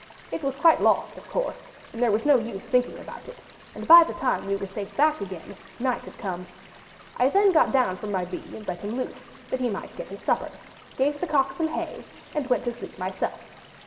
It was quite lost, of course, and there was no use thinking about it, and by the time we were safe back again night had come. I then got down from my bee, and let him loose, that he might get his supper, gave the cock some hay, and went to sleep myself.